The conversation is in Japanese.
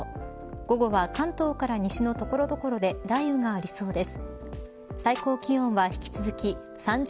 午後は、関東から西の所々で雷雨がありそうです。